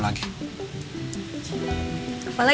apa pak soothan propernya